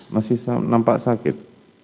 masih nampak sakit